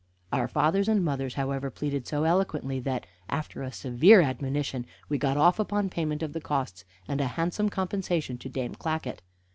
_ Our fathers and mothers, however, pleaded so eloquently that, after a severe admonition, we got off upon payment of the costs and a handsome compensation to Dame Clackett.